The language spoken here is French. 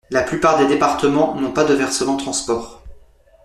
La plupart des départements n’ont pas de versement transport.